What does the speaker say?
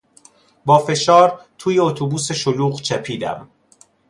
با فشار توی اتوبوس شلوغ چپیدم.